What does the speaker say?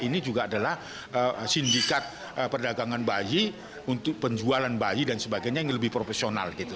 tidak adalah sindikat perdagangan bayi untuk penjualan bayi dan sebagainya yang lebih profesional